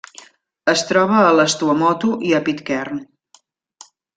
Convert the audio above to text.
Es troba a les Tuamotu i a Pitcairn.